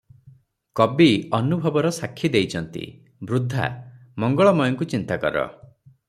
କବି ଅନୁଭବର ସାକ୍ଷୀ ଦେଇଚନ୍ତି- ବୃଦ୍ଧା, ମଙ୍ଗଳମୟଙ୍କୁ ଚିନ୍ତାକର ।